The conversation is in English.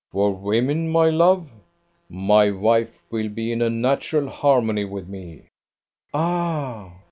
"For women, my love? my wife will be in natural harmony with me." "Ah!"